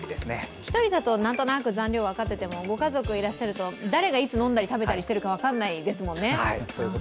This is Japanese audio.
１人だと、何となく残量が分かっていても、ご家族いらっしゃると、誰がいつ飲んだり食べてるか分からないですもんね。